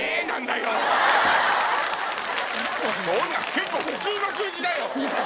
結構普通の数字だよ！